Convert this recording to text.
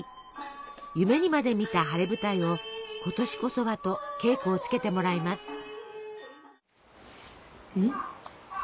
夢にまでみた晴れ舞台を今年こそはと稽古をつけてもらいます。